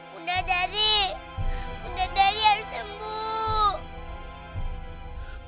bunda dari bunda dari harus sembuh